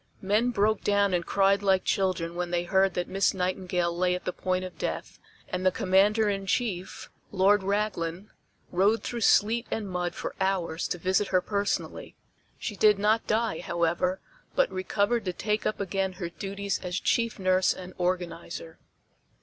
Men broke down and cried like children when they heard that Miss Nightingale lay at the point of death, and the Commander in Chief, Lord Raglan, rode through sleet and mud for hours to visit her personally. She did not die, however, but recovered to take up again her duties as chief nurse and organizer.